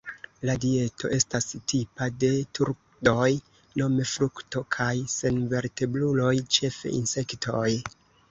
La dieto estas tipa de turdoj: nome frukto kaj senvertebruloj, ĉefe insektoj.